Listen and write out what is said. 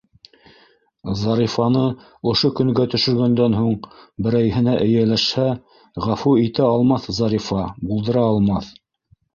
Зарифаны ошо көнгә төшөргәндән һуң, берәйһенә эйәләшһә, ғәфү итә алмаҫ Зарифа, булдыра алмаҫ!